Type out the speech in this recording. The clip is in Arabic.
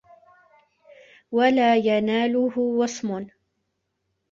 وَلَا يَنَالَهُ وَصْمٌ